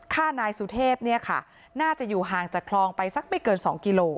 ฆ่านายสุเทพเนี่ยค่ะน่าจะอยู่ห่างจากคลองไปสักไม่เกินสองกิโล